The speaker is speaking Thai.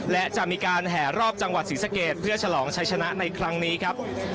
และจะมีการแห่รอบจังหวัดศรีสะเกดเพื่อฉลองชัยชนะในครั้งนี้ครับ